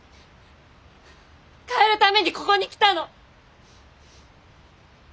変えるためにここに来たの。